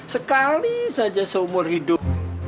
sekali saja seumur hidup